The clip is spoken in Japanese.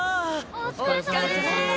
お疲れさまです！